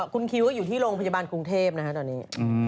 คุณคิวก็อยู่ที่โรงพยาบาลกรุงเทพนะฮะตอนนี้